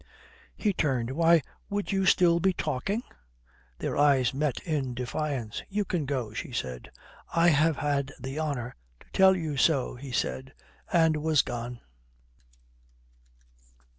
He turned. "Why, would you still be talking?" Their eyes met in defiance. "You can go," she said. "I have had the honour to tell you so," he said, and was gone.